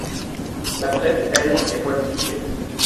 La presse, elle, est moins mitigée.